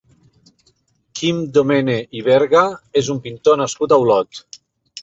Quim Domene i Berga és un pintor nascut a Olot.